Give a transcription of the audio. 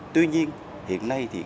tuy nhiên hiện nay